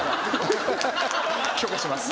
許可します。